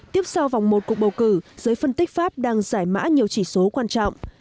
tiếp sau vòng một cuộc bầu cử giới phân tích pháp đang giải mã nhiều chỉ số quan trọng